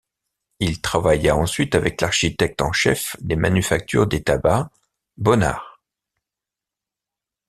Il travailla ensuite avec l'architecte en chef des manufactures des tabacs, Bonnard.